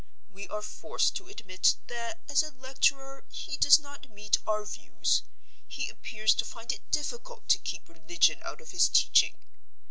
We are forced to admit that as a lecturer he does not meet our views. He appears to find it difficult to keep religion out of his teaching.